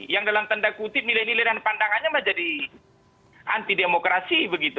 yang dalam tanda kutip nilai nilai dan pandangannya menjadi anti demokrasi begitu